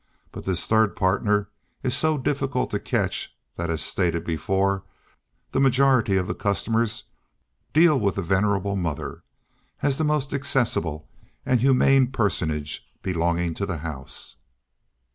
But this third partner is so difficult to catch, that, as stated before, the majority of the customers deal with the venerable mother, as the most accessible and humane personage belonging to the house.